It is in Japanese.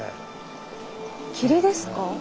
霧ですか？